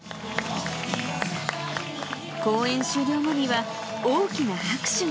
公演終了間際、大きな拍手が。